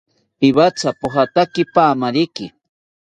Iwatha pojataki paamariki